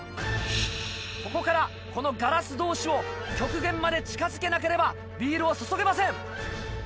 ここからこのガラス同士を極限まで近づけなければビールを注げません！